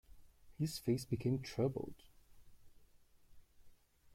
His face became troubled.